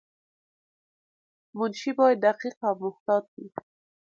منشي باید دقیق او محتاط وای.